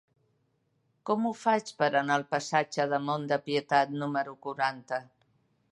Com ho faig per anar al passatge del Mont de Pietat número quaranta?